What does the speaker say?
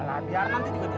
alah biar nanti juga dia